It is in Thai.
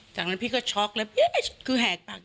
จากนั้นพี่ก็ช็อกแล้วคือแหกปาก